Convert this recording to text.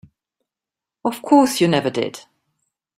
Of course you never did.